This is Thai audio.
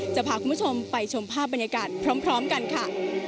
จะพาคุณผู้ชมไปชมภาพบรรยากาศพร้อมกันค่ะ